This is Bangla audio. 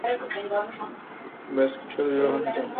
ভেঙ্কটেশ্বর বিবাহ হলে যাও।